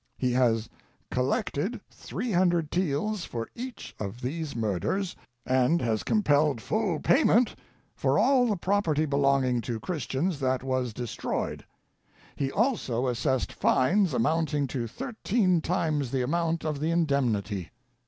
He has collected 300 taels for each of these murders, and has compelled full payment for all the property belonging to Christians that was destroyed. He also assessed fines amounting to THIRTEEN TIMES the amount of the indemnity.